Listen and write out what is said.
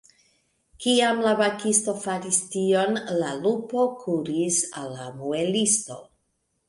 Kiam la bakisto faris tion, la lupo kuris al la muelisto.